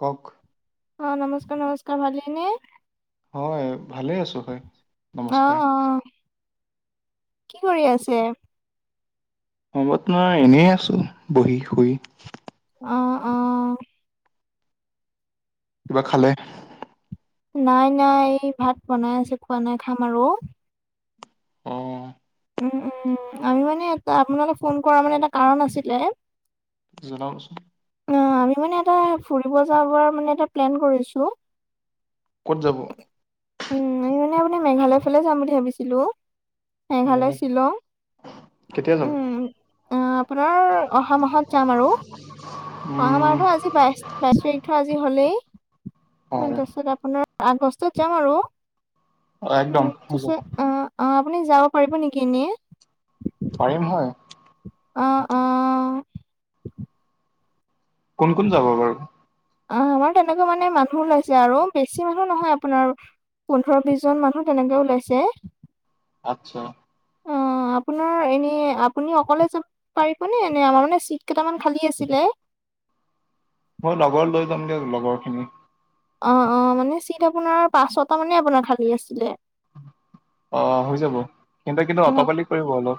কওক। অ', নমস্কাৰ, নমস্কাৰ ভাল নে? হয় ভালে আছোঁ হয়। নমস্কাৰ অ', অ', কি কৰি আছে? মই এনেই আছোঁ বহি শুই। অ', অ'। কিবা খালে? নাই, নাই এই ভাত বনাই আছে খোৱা নাই খাম আৰু। অ উম, উম, আমি মানে এটা আপোনালে ফোন কৰা মানে এটা কাৰণ আছিলে। জনাওক চোন। অ', আমি মানে এটা ফুৰিব যাব মানে এটা প্লেন কৰিছো। ক'ত যাব? উম এনে মানে অলপমান মেঘালয়ৰ ফালে যাম বুলি ভাবিছিলোঁ। মেঘালয়, উম শ্বিলং। কেতিয়া যাব উম, আপোনাৰ অহা মাহত যাম আৰু। অহা উম মাহৰ আজি বাইশ, বাইশ তাৰিখটো আজি হ'লেই তাৰ হয় পিছত আপোনাৰ আগষ্টত যাম আৰু একদম উম হৈ যাব আহ অ', আপুনি যাব পাৰিব নেকি এনেই। পাৰিম হয়। অ', অ'। কোন, কোন যাব বাৰু? আহ আমাৰ তেনেকে মানে মানুহ ওলাইছে আৰু বেছি মানুহ নহয় আপোনাৰ পোন্ধৰ বিশজন মানুহ তেনেকে ওলাইছে। আচ্ছা। অ'। অ', আপোনাৰ এনে আপুনি অকলে যাব পাৰিবনে এনে আমাৰ মানে চিট কেইটামান খালী আছিলে। মই লগৰ লৈ যাম দিয় লগৰ খিনি। অ', অ', মানে চিট আপোনাৰ পাঁচ ছটা মানে আপোনাৰ খালী আছিলে। অ', হৈ যাব কিন্তু, কিন্তু অ', অটপালি কৰিব অলপ।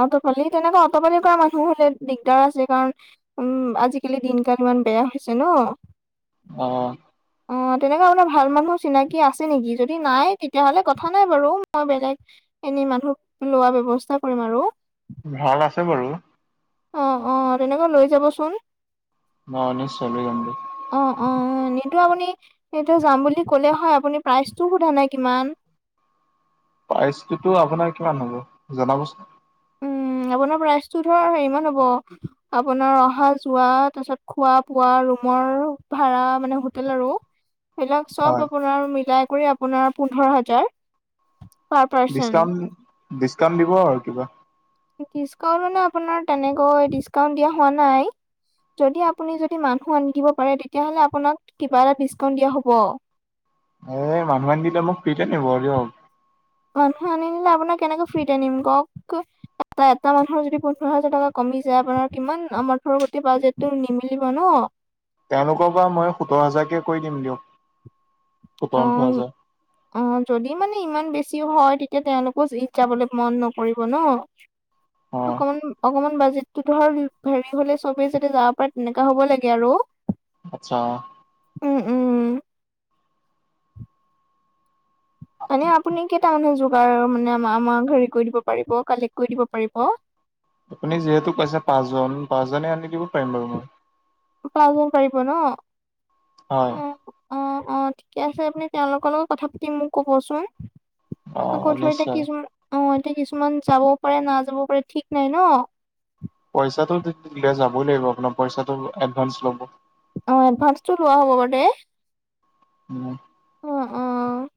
অটপালি তেনেকুৱা অটপালি কৰা মানুহ হ'লে দিগদাৰ আছে কাৰণ উম আজিকালি দিনকাল ইমান বেয়া হৈছে ন। অ'। অ', তেনেকুৱা মানে ভাল মানুহ চিনাকি আছে নেকি যদি নাই তেতিয়াহ'লে কথা নাই বাৰু মই বেলেগ এনেই মানুহ লোৱাৰ ব্যৱস্থা কৰিম আৰু। ভাল আছে বাৰু। অ', অ' তেনেকুৱা লৈ যাবচোন। অ', নি [unintelligible] গী অ', অ' এনেইটো আপুনি এইটো যাম বুলি ক'লে হয় আপুনি প্ৰাইজটো সোধা নাই কিমান? প্ৰাইজটোতো আপোনাৰ কিমান হ'ব জনাবচোন? উম, আপোনাৰ প্ৰাইজটো ধৰক হেৰী মান হ'ব আপোনাৰ অহা-যোৱা তাৰ পাছত খোৱা-বোৱা ৰুমৰ ভাড়া মানে হোটেল আৰু সেইবিলাক চব হয় আপোনাৰ মিলাই কৰি আপোনাৰ পোন্ধৰ হাজাৰ। পাৰ পাৰ্চন ডিছকাউণ্ট, ডিছকাউণ্ট দিব আৰু কিবা। ডিছকাউণ্ট মানে আপোনাৰ তেনেকৈ ডিছকাউণ্ট দিয়া হোৱা নাই। যদি আপুনি যদি মানু্হ আনি দিব পাৰে, তেতিয়াহ'লে আপোনাক কিবা এটা ডিছকাউণ্ট দিয়া হব আৰু। এই মানুহ আনি দিলে মোক ফ্ৰীটে নিব আৰু দিয়ক। মানুহে আনি নিদিলে আপোনাক কেনেকে ফ্ৰীতে নিম কওক? এটা, এটা মানুহৰ যদি পোন্ধৰ হাজাৰ টকা কমি যায় আপোনাৰ কিমান আমাৰ টো গোটেই বাজেটটো নিমিলিব ন! তেওঁলোকৰ পৰা মই সোতৰ হাজাৰকে কৰি দিম দিয়ক। সোতৰ-ওঠৰ অ' হাজাৰ! অ', যদি মানে ইমান বেছিও হয় তেতিয়া তেওঁলোকো ঈদ যাবলৈ মন নকৰিব ন! অ অকমান, অকমান বাজে তটো [unintelligible] ধৰ হেৰি হ'লে চবেই যদি যাতে যাব পাৰে তেনেকুৱা হ'ব লাগে আৰু। আচ্ছা! উম, উম। মানে আপুনি কেইটা মানুহ যোগাৰ মানে আ আমাৰ হেৰি কৰি দিব পাৰিব কালেক্ কৰি দিব পাৰিব? আপুনি যিহেতু কৈছে পাঁচজন, পাঁচজনে আনি দিব পাৰিম বাৰু মই। [unintelligible] হয়। অ', অ', অ', ঠিকে আছে। আপুনি তেওঁলোকৰ লগত কথা পাতি মোক ক'বচোন। আকৌ অ ধৰ এতিয়া নিশ্চয় কিছুমান অ', এতিয়া কিছুমান যাবও পাৰে নাযাব পাৰে, ঠিক নাই ন! পইচাটো দিলে যাবই লাগিব আপোনাৰ পইচাটো এডভান্স ল'ব। অ' এডভান্সটো লোৱা হ'ব বাৰু দেই! উম। অ', অ'।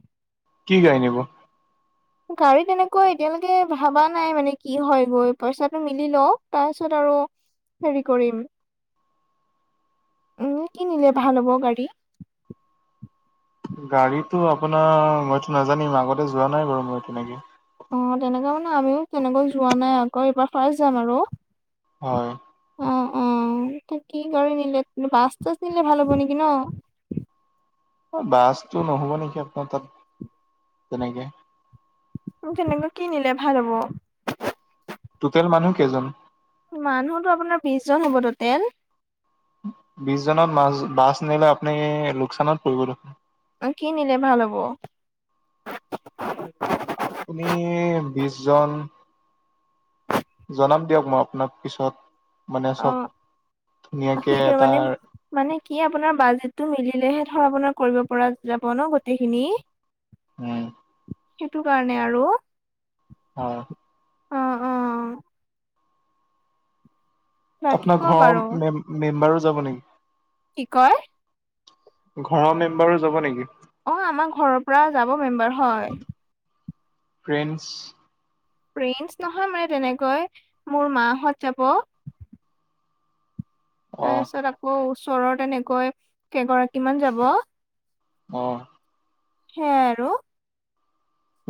কি গাড়ী নিব? গাড়ী তেনেকুৱা এতিয়ালৈকে ভবা নাই মানে কি হয় গৈ, পইচাটো মিলি লওক তাৰ পিছত আৰু হেৰি কৰিম উম, কি নিলে ভাল হ'ব গাড়ী? গাড়ীটো আপোনাৰ মইতো নাজানিম আগতে যোৱা নাই বাৰু মই তেনেকে। অ', তেনেকৈ মানে আমিও তেনেকৈ যোৱা নাই আকৌ এইবাৰ ফাৰ্ষ্ট যাম আৰু। হয়। অ', অ', তে কি গাড়ী নিলে বাছ- তাছ নিলে ভাল হ'ব নেকি ন! বাছতো নহ'ব নেকি আপোনাৰ তাত তেনেকে! তেনেকৈ কি নিলে ভাল হ'ব? টোটেল মানুহ কেইজন? মানুহতো আপোনাৰ বিশজন হ'ব টোটেল। বিশ জনত বাছ, বাছ নিলে আপুনি লোকচানত পৰিব দেখোন! অ', কি নিলে ভাল হ'ব! আপুনি বিশ জন জনাম দিয়ক মই আপোনাক পিছত মানে অ চব ধুনীয়াকে সেইটোৱে মানে এটাৰ মানে কি আপোনাৰ বাজেটটো মিলিলেহে ধৰক আপোনাৰ কৰিব পৰা যাব ন গোটেইখিনি [inaudible] উম, সেইটো কাৰণে আৰু! হয়, অ অ বাকী আপোনাৰ কওক ঘৰৰ আৰু মেম মেম্বাৰো যাব নেকি! কি কয়? ঘৰৰ মেম্বাৰো যাব নেকি! অ, আমাৰ ঘৰৰ পৰা যাব মেম্বাৰ হয়। ফ্ৰেণ্ডছ! ফ্ৰেণ্ডছ নহয় মানে তেনেকৈ মোৰ মা হঁত যাব। তাৰ অঁ পিছত আকৌ ওচৰৰ তেনেকৈ কেইগৰাকী মান যাব। অ, হেয়াই আৰু।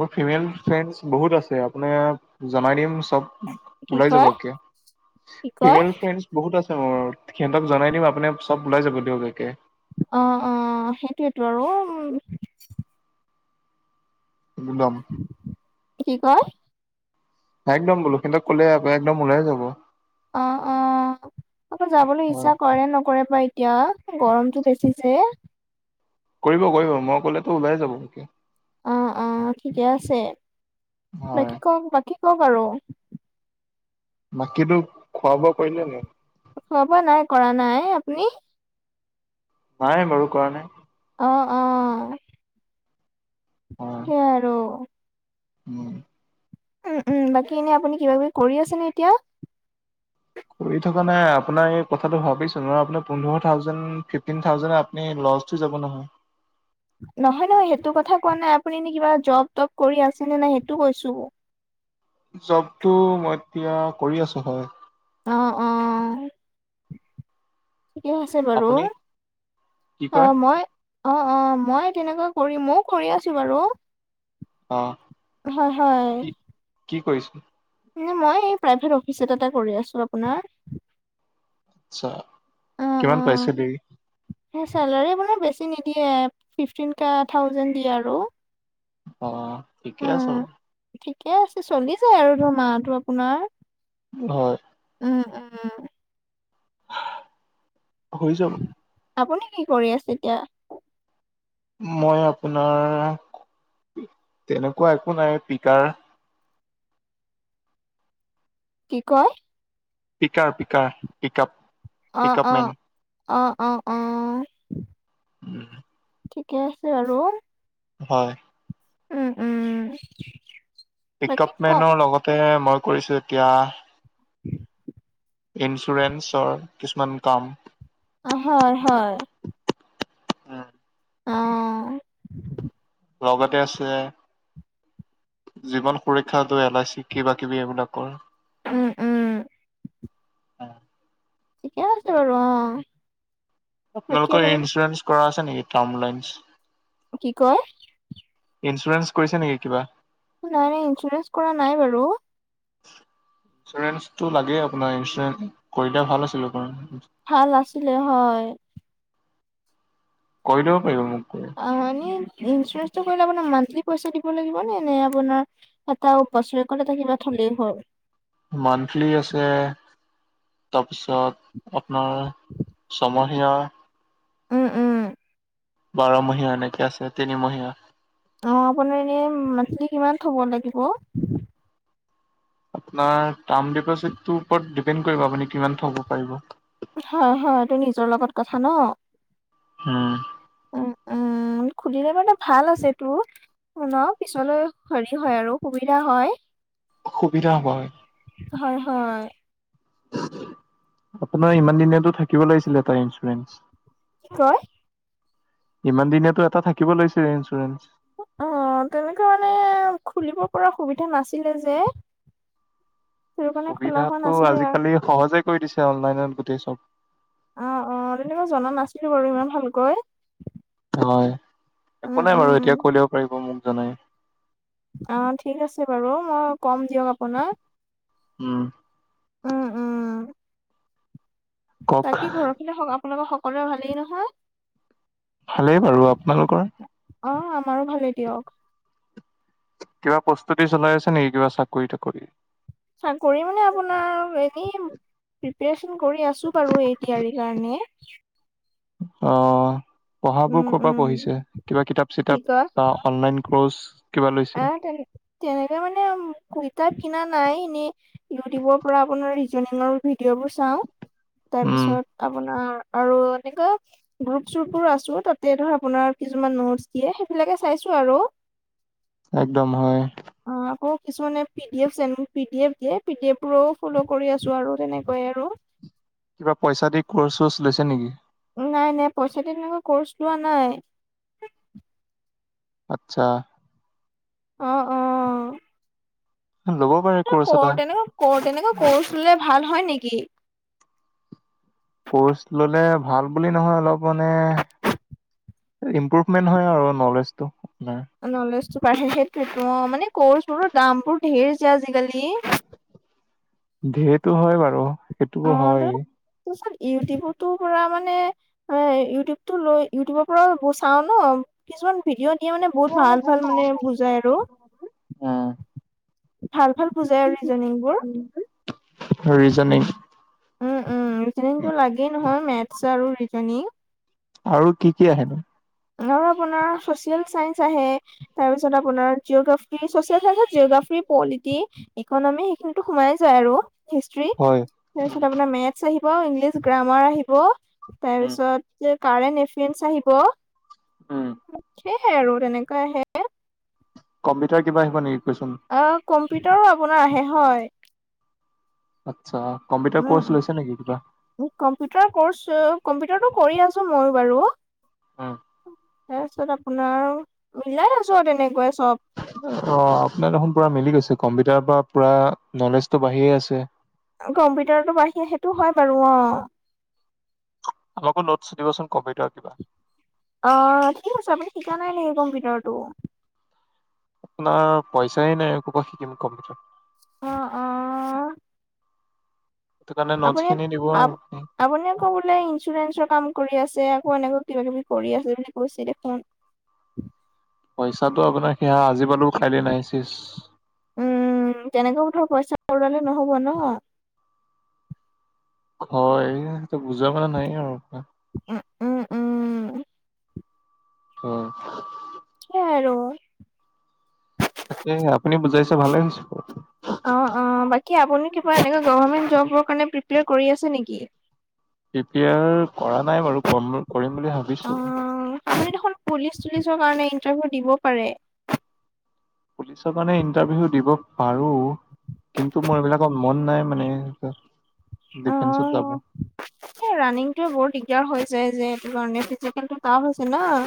মোৰ ফিমেল ফ্ৰেণ্ডছ বহুত আছে আপোনাৰ জনাই দিম চব কি ওলাই যাব কয় একে কি কয় ফিমেল ফ্ৰেণ্ডছ বহুত আছে মোৰ সিহঁতক জনাই দিম আপুনি চব ওলাই যাব দিয়ক একে। অ', অ' সেইটোৱেটো আৰু উম। উমদম। কি কয়? একদম বোলো সিহঁতক কলে একদম ওলাই যাব। অ', অ' আকৌ যাবলৈ ইচ্ছা কৰে নকৰে বা এ এতিয়া গৰমটো বেছি যে। কৰিব, কৰিব মই ক'লেতো ওলাই যাব একে। অ', অ' ঠিকে আছে, হয়। বাকী কওক, বাকী কওক আৰু। মাকিতো খোৱা-বোৱা কৰিলেনে নে? খোৱা-বোৱা নাই কৰা, নাই আপুনি? নাই মৰো কৰা নাই। অ', অ'। অ', সেইয়াই আৰু। উম। উম, উম, বাকী এনে আপুনি কিবা কিবি কৰি আছেনে এতিয়া? কৰি থকা নাই আপোনাৰ এই কথাটো ভাবিছো ন। আপোনাৰ পোন্ধৰ থাউজেণ্ড, ফিফটিন থাউজনে আপ নে লজ্জ হৈ যাব নহয়। নহয়, নহয় সেইটো কথা কোৱা নাই। আপুনি এনে কিবা জব তব কৰি আছে নে নাই সেইটো কৈছো। জবটো মই এতিয়া কৰি আছো হয়। অ', অ'। ঠিকে আছে বাৰু আপুনি কি কয় অ' মই অ', অ' মই তেনেকুৱা কৰিম। ময়ও কৰি আছো বাৰু। অ'। হয়, হয়। কি কি কৰিছোন? মই এই প্ৰাইভেট অফিচ এটাতে কৰি আছো আপোনাৰ। আচ্ছা, কিমান পাইছে দেই। চেলাৰি আপোনাৰ বেছি নিদিয়ে ফিফটিন কা থাউজন দিয়ে আৰু। অ', ঠিকে আছে। উম, ঠিকে আছে, চলি যায় আৰু ধৰ মাহটো আপোনাৰ। হয়। উম, উম। হৈ যাব। আপুনি কি কৰি আছে, এতিয়া? মই আপোনাৰ, তেনেকুৱা একো নাই পিকাৰ। কি কয়? পিকাৰ, পিকাৰ, পিকাপ। অ', অ', অ', অ', অ'। [inaudible] ঠিকে আছে, বাৰু। হয়। উম, উম। বাকী পিকাপ কওক মেনৰ লগতে, মই কৰিছোঁ এতিয়া ইঞ্চুৰেঞ্চৰ কিছুমান কাম। অ', হয়, হয়। উম। অ'। লগতে আছে জীৱন সুৰক্ষা উদয়, এলাই চি কিবা-কিবি এইবিলাকৰ। উম। উম, ঠিকে আছে বাৰু, অ'। বাকী আপোনালোকৰ আপোনাৰ ইঞ্চুৰেঞ্চ কৰা আছে নেকি? টাৰ্ম লাইনছ? কি কয়? ইঞ্চুৰেঞ্চ কৰিছে নেকি কিবা? অ, নাই, নাই, ইঞ্চুৰেঞ্চ কৰা নাই বাৰু। ইঞ্চুৰেঞ্চটো লাগেই আপোনাৰ, ইঞ্চুৰেঞ্চ কৰিলে ভাল আছিলে বাৰু। ভাল আছিলে, হয়। কৰি দিব পাৰিব, মোক কৈ। অ', এনে ইঞ্চুৰেঞ্চটো কৰিলে আপোনাৰ মান্থলী পইচা দিব লাগিব নে, নে আপোনাৰ এটা বছৰেকত এটা থ'লেই হ'ল? মান্থলী আছে, তাৰপিছত আপোনাৰ চময় [unintelligible] উম, উম। বাৰমহীয়া এনেকে আছে, তিনিমহীয়া। অ', আপোনাৰ এনে মান্থলী কিমান থ'ব লাগিব? আপোনাৰ টাৰ্ম ডিপ'জিটতো ওপৰত ডিপেণ্ড কৰিব, আপুনি কিমান থ'ব পাৰিব। হয়, হয়। এইটো নিজৰ লগত কথা ন! উম। উ, উম। খুলিলে মানে ভাল আছে, এইটো ন! পিছলৈ হেৰি হয় আৰু সুবিধা হয়। সুবিধা হ'ব, হয়। হয়, হয়। আপোনাৰ ইমানদিনেতো থাকিব লাগিছিলে, এটা ইঞ্চুৰেঞ্চ। কি কয়? ইমান দিনেতো এটা থাকিব লাগিছিলে ইঞ্চুৰেঞ্চ। অ', তেনেকুৱা মানে খুলিব পৰা সুবিধা নাছিলে যে। সেইটো কাৰণে খোলা হোৱা সুবিধাতো নাছিলে আৰু। আজিকালি সহজে কৰি দিছে, অনলাইনত গোটেই চব। অ', অ', তেনেকুৱা জনা নাছিলোঁ বাৰু ইমান ভালকৈ। হয়, একো উম নাই বাৰু উম। এতিয়া কৰি ল'ব পাৰিব মোক জনাই। অ', ঠিক আছে বাৰু, মই কম দিয়ক আপোনাক। উম। উম, উম। কওক বাকী ঘৰৰ পিনে স আপোনালোকৰ সকলোৰে ভালেই নহয়? ভালেই বাৰু, আপোনালোকৰ? অ', আমাৰো ভালেই দিয়ক। কিবা প্ৰস্তুতি চলাই আছে নেকি? কিবা চাকৰি তাকৰি? চাকৰি মানে আপোনাৰ এনেই প্ৰিপেৰেচন কৰি আছোঁ বাৰু, এ ডি আৰ ই কাৰণে। অ', পঢ়াবোৰ উম ক'ৰ পৰা উম। পঢ়িছে? কিবা কিতাপ কি চিতাপ বা অনলাইন কৰ্চ কিবা লৈছে আ', তেন তেনেকে মানে কুইতাপ কিনা নাই এনেই। ইউটিউবৰ পৰা আপোনাৰ ৰিজনিংৰ ভিডিঅ' বোৰ চাওঁ, উম তাৰপিছত আপোনাৰ আৰু এনেকৈ গ্ৰুপ চ্ৰুপবোৰ আছোঁ, তাতে ধৰ আপোনাৰ কিছুমান নোটছ দিয়ে, সেইবিলাকে চাইছোঁ আৰু। একদম হয়। অ', আকৌ কিছুমানে P D F send P D F দিয়ে, পি ডি এফ বোৰো ফল' কৰি আছো আৰু তেনেকুৱাই আৰু। কিবা পইচা দি কৰ্চ চৰ্চ লৈছে নেকি? নাই, নাই, পইচা দি তেনেকুৱা কৰ্চ লোৱা নাই। আট্চা। অ', অ'। ল'ব পাৰে। কৰ্চ এটা কৰ তেনেক কৰ তেনেকুৱা কৰ্ছ ললে ভাল হয় নেকি? কৰ্চ ললে ভাল বুলি নহয়, অলপ মানে এ ইম্প্ৰুভমেন্ট হয় আৰু নলেজটো আপোনাৰ। নলেজটো বাঢ়ে, সেইটোৱেইটো অ', মানে কৰ্চ বোৰৰ দাম বোৰ ধেৰ যে আজিকালি। ধেৰটো হয় বাৰু, সেইটোও অ' ত হয়। তাৰপিছত ইউটিউবতো পৰা মানে মানে ইউটিউবটো লৈ ইউটিউবৰ পৰা ব চাও ন। কিছুমান ভিডিঅ' দিয়ে মানে বহুত ভাল ভাল মানে বুজাই আৰু। ভাল ভাল বুজাই আৰু ৰিজনিংবোৰ ৰিজনিং উম', উম', ৰিজনিং টো লাগেই নহয়, মেথছ আৰু ৰিজনিং। আৰু কি কি আহেনো? আৰু আপোনাৰ ছচিয়েল চাইন্স আহে। তাৰপিছত আপোনাৰ জিঅ'গ্ৰাফি, চচিয়েল চত জিঅগ্ৰাফি পলিটি এইকন আমি সেইখিনিতো সোমাই যায় আৰু, হিষ্ট্ৰী হয়। তাৰপিছ আপোনাৰ মেঠ্চ আহিব আৰু ইংলিছ গ্ৰামাৰ আহিব। তাৰ পিছত কাৰেণ্ট এফেয়াৰ্চ আহিব। উম। সেয়াই আৰু তেনেকুৱা আহে কম্পিটাৰ কিবা আহিব নেকি কুৱেচন? অ কম্পিউটাৰো আপোনাৰ আহে হয় আচ্ছা কম্পিউটাৰ উম, কৰ্চ লৈছে নেকি কিবা? কম্পিউটাৰ কৰ্চ কম্পিউটাৰটো কৰি আছো মইও বাৰু অ তাৰ পিছত আপোনাৰ মলাই আছো আৰু তেনেকুৱাই চব অ আপোনাৰ দেখোন পুৰা মিলি গৈছে কম্পিউটাৰ পৰা পুৰা নলেজতো বাঢ়িয়ে আছে। কম্পিউটাৰতো বাঢ়ি সেইটো হয় বাৰু অ আমাকো নোটছ দিবচোন কম্পিউটাৰ কিবা অ ঠিক আছে আপুনি শিকা নাই নে কম্পিউটাৰটো? আপোনাৰ পইচাই নাই কৰপৰা শিকিম কম্পিউটাৰ। অ অ সেইটো কাৰণে নোটচ আপুনি খিনি দিব আৰু আপুনি আকৌ বোলে ইঞ্চুৰেঞ্চৰ কাম কৰি আছে আকৌ এনেক কিবা কিবি কৰি আছে বুলি কৈছে দেখোন পইচাটো আপোনাৰ সেয়া আজি পালো কাইলৈ নাই চেচ উম তেনেকৈ ধৰ পইচা উৰুৱালে নহ'ব ন হয় সেইটো বুজোৱা মানে নাই আৰু উ উম উম অ সেই আৰু তাকে আপুনি বুজাইছে ভালে হৈছে অঁ অঁ বাকী আপুনি কিবা এনেকুৱা গভমেণ্ট জবৰ কাৰণে প্ৰিপেয়াৰ কৰি আছে নেকি? প্ৰিপয়াৰ কৰা নাই বাৰু কম কৰিম বুলি অ ভাবিছোঁ। আপুনি দেখোন পুলিচ চুলিচৰ কাৰণে ইণ্টাৰভিউ দিব পাৰে। পুলিচৰ কাৰণে ইণ্টাৰভিউ দিব পাৰোঁ - কিন্তু মোৰ এইবিলাকত মন নাই মানে ডিফেন্সত যাব। এই ৰাণিংটো বৰ দিগদাৰ হৈ যায় যে সেইটো কাৰণে কিন্তু টফ হৈছে ন,